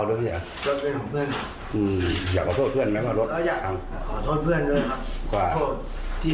รู้สึกเสียใจไหมถ้าเกิดก่อนรถมันเป็นอะไรอย่างนี้